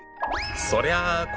そりゃあ心